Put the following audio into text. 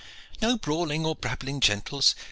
"No brawling or brabbling, gentles!